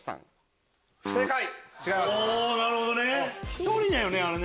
１人だよねあれ。